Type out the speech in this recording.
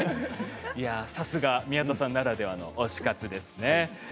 さすが宮田さんならではの推し活ですね。